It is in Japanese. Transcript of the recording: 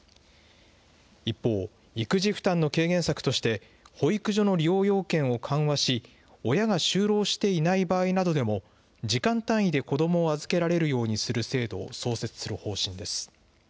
一方、育児負担の軽減策として、保育所の利用要件を緩和し、親が就労していない場合などでも、時間単位で子どもを預けられるようにする制度を創設する方針です。